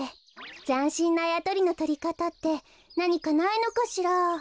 ざんしんなあやとりのとりかたってなにかないのかしら？